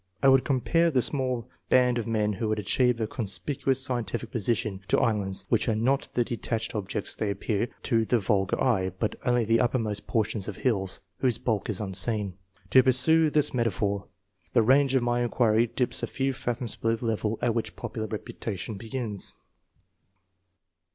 I would compare the small band of men who have achieved a conspicuous scientific position, to islands, which are not the detached objects they appear to the vulgar eye, but only the uppermost portions of hills, whose bulk is unseen. To pursue this meta phor; the range of my inquiry dips a few fathoms below the level at which popular reputation begins.